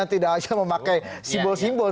tidak hanya memakai simbol simbol